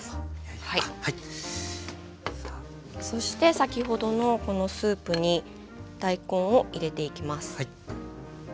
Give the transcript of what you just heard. そして先ほどのこのスープに大根を入れていきます。